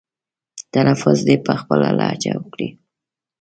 تلفظ دې په خپله لهجه وکړي.